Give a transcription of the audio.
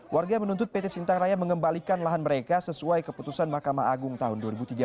warga menuntut pt sintang raya mengembalikan lahan mereka sesuai keputusan mahkamah agung tahun dua ribu tiga belas